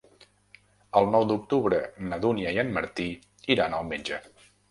El nou d'octubre na Dúnia i en Martí iran al metge.